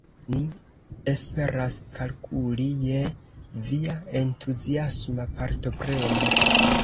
Ni esperas kalkuli je via entuziasma partopreno!